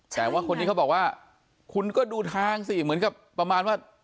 แต่ว่าคนที่เขาบอกว่าคุณก็ดูทางสิเหมือนกับประมาณว่า